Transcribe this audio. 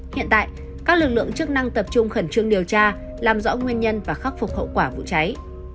hiện tại các lực lượng chức năng tập trung khẩn trương điều tra làm rõ nguyên nhân và khắc phục hậu quả vụ cháy